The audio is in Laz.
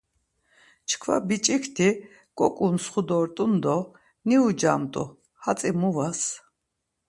Çkva biç̌ikti goǩuntsxu dort̆un do niucamt̆u, hatzi mu vas?